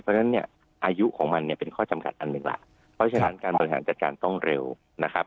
เพราะฉะนั้นเนี่ยอายุของมันเนี่ยเป็นข้อจำกัดอันหนึ่งล่ะเพราะฉะนั้นการบริหารจัดการต้องเร็วนะครับ